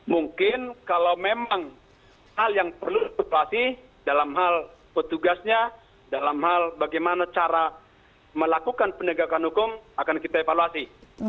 mungkin kalau memang hal yang perlu evaluasi dalam hal petugasnya dalam hal bagaimana cara melakukan penegakan hukum akan kita evaluasi